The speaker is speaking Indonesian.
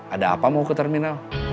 ada apa mau ke terminal